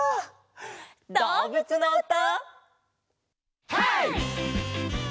どうぶつのうた！